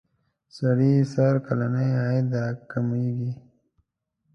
سړي سر کلنی عاید را کمیږی.